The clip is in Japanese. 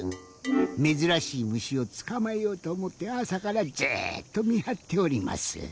めずらしいむしをつかまえようとおもってあさからずっとみはっております。